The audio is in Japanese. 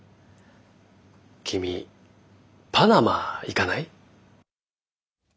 君パナマ行かない？